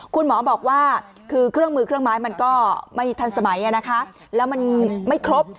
คุณหมอบอกว่าคือเครื่องมือเครื่องไม้มันก็ไม่ทันสมัยนะคะแล้วมันไม่ครบ